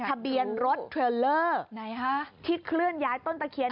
ทะเบียนรถเทรลเลอร์ไหนคะที่เคลื่อนย้ายต้นตะเคียน